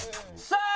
さあ！